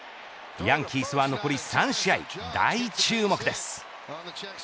ヤンキースは残り３試合大注目です。